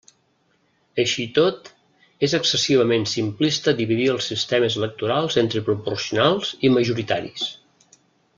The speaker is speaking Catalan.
Així i tot, és excessivament simplista dividir els sistemes electorals entre proporcionals i majoritaris.